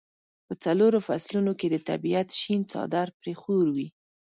په څلورو فصلونو کې د طبیعت شین څادر پرې خور وي.